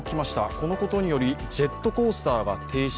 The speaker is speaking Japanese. このことによりジェットコースターが停止。